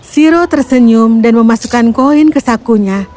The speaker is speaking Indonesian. siro tersenyum dan memasukkan koin ke sakunya